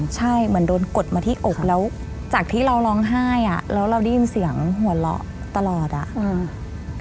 ใช่เหมือนโดนกดมาที่อกแล้วจากที่เราร้องไห้อ่ะแล้วเราได้ยินเสียงหัวเราะตลอดอ่ะอืม